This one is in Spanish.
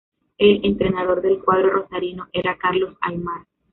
El entrenador del cuadro rosarino era Carlos Aimar.